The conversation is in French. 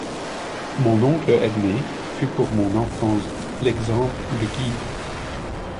Mon oncle Edme fut pour mon enfance l'exemple, le guide.